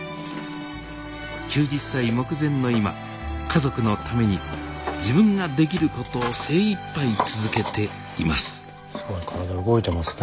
９０歳目前の今家族のために自分ができることを精いっぱい続けていますすごい体動いてますね。